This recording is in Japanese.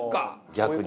逆に。